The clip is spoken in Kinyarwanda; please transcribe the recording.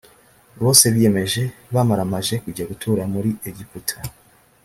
bose biyemeje bamaramaje kujya gutura muri egiputa